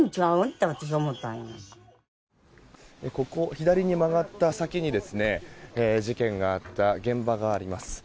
左に曲がった先に事件があった現場があります。